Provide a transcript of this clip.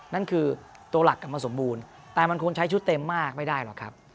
นั่นคือตัวหลักกลับมาสมบูรณ์แต่มันควรใช้ชุดเต็มมากไม่ได้หรอกครับ